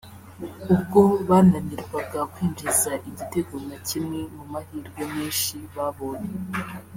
ubwo bananirwaga kwinjiza igitego na kimwe mu mahirwe menshi babonye